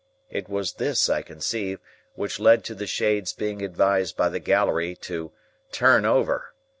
It was this, I conceive, which led to the Shade's being advised by the gallery to "turn over!"